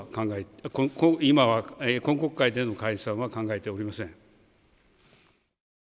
今国会での解散は考えておりません。